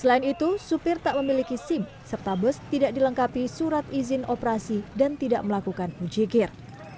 selain itu supir tak memiliki sim serta bus tidak dilengkapi surat izin operasi dan tidak melakukan ujikir